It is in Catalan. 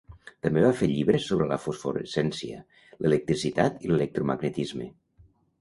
També va fer llibres sobre la fosforescència, l'electricitat i l'electromagnetisme.